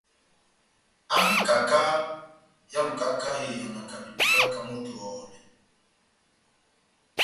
Hangwɛ y'ikaka ehálukaka iyàna beduka ká moto oŋòhòlɛ.